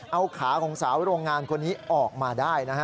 เอาขาของสาวโรงงานคนนี้ออกมาได้นะฮะ